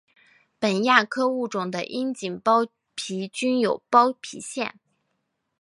本亚科物种的阴茎包皮均有包皮腺。